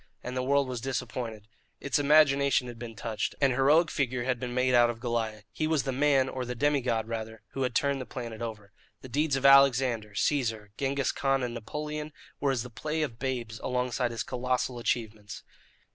And the world was disappointed. Its imagination had been touched. An heroic figure had been made out of Goliah. He was the man, or the demi god, rather, who had turned the planet over. The deeds of Alexander, Caesar, Genghis Khan, and Napoleon were as the play of babes alongside his colossal achievements.